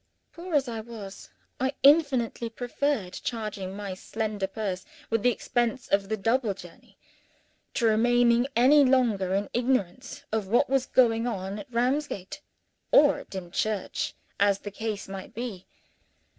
Poor as I was, I infinitely preferred charging my slender purse with the expense of the double journey, to remaining any longer in ignorance of what was going on at Ramsgate or at Dimchurch, as the case might be.